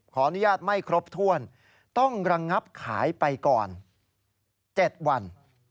ขออนุญาตไม่ครบถ้วนต้องระงับขายไปก่อน๗วัน